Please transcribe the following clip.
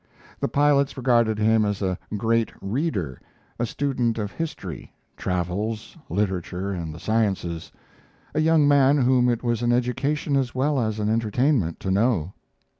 The pilots regarded him as a great reader a student of history, travels, literature, and the sciences a young man whom it was an education as well as an entertainment to know.